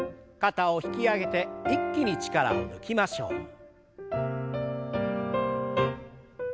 肩を引き上げて一気に力を抜きましょう。